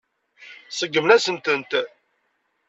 Seggmen-asent-tent.